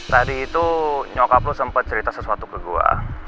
tadi itu nyokap lo sempat cerita sesuatu ke gue